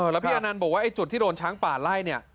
แล้วพี่อนันต์บอกว่าไอ้จุดที่โดนช้างป่าไล่เนี่ย